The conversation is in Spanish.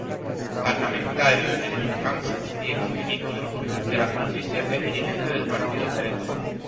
Parlamentario en el Knesset y ex-ministro de la Justicia, es dirigente del partido Meretz.